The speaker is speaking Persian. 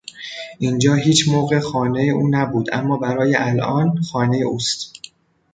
اینجا هیچ موقع خانه او نبود اما برای الان خانه اوست.